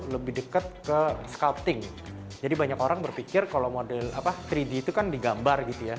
lebih dekat ke scouting jadi banyak orang berpikir kalau model apa tiga d itu kan digambar gitu ya